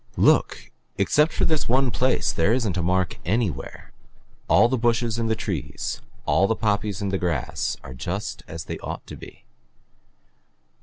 "Look except for this one place there isn't a mark anywhere. All the bushes and the trees, all the poppies and the grass are just as they ought to be.